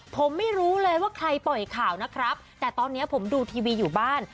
ผมไม่รู้เลยว่าใครปล่อยข่าวนะครับแต่ตอนนี้ผมดูทีวีอยู่บ้าน